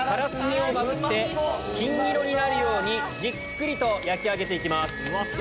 金色になるようにじっくりと焼き上げて行きます。